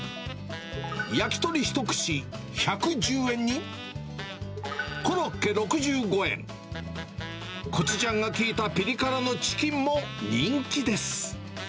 焼き鳥１串１１０円に、コロッケ６５円、コチュジャンが利いたピリ辛のチキンも人気です。